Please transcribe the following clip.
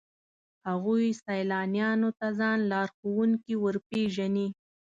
هغوی سیلانیانو ته ځان لارښوونکي ورپېژني.